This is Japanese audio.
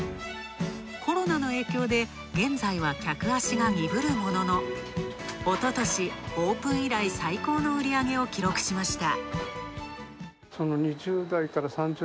コロナの影響で現在は、客足が鈍るものの、おととしオープン以来最高の売り上げを記録しました。